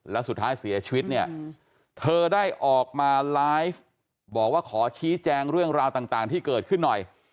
แล้วสุดท้ายเสียชีวิตเนี่ยเธอได้ออกมาไลฟ์บอกว่าขอชี้แจงเรื่องราวต่างที่เกิดขึ้นหน่อย